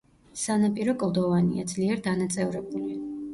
სანაპირო კლდოვანია, ძლიერ დანაწევრებული.